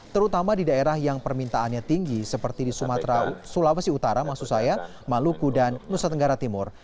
terutama di daerah yang permintaannya tinggi seperti di sulawesi utara maksud saya maluku dan nusa tenggara timur